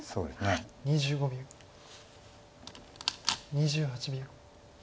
２８秒。